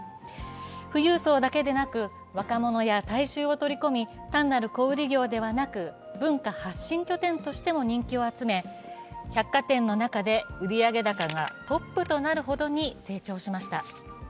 富裕層だけでなく、若者や大衆を取り込み、単なる小売業ではなく文化発信拠点としても人気を集め、百貨店の中で売上高がトップとなるほどに成長しました。